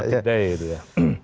hari hiday gitu ya